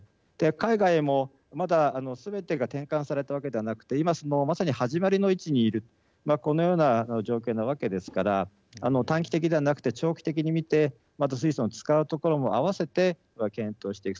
海外へも、まだすべてが転換されたわけではなくて今そのまさに始まりの位置にいるこのような状況なわけですから短期的ではなくて長期的に見てまた水素を使うところも併せて検討していく。